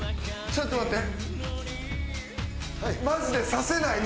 ちょっと待って。